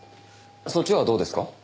そっちはどうですか？